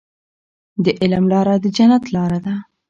د علم لاره د جنت لاره ده.